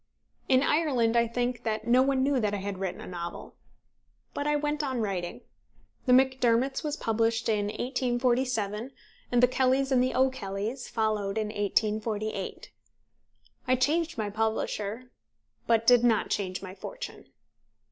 In Ireland, I think that no one knew that I had written a novel. But I went on writing. The Macdermots was published in 1847, and The Kellys and the O'Kellys followed in 1848. I changed my publisher, but did not change my fortune.